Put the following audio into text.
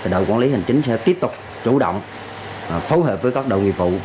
đội quản lý hành chính sẽ tiếp tục chủ động phối hợp với các đội nghiệp vụ